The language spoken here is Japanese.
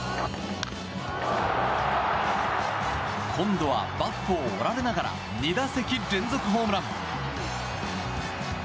今度はバットを折られながら２打席連続ホームラン。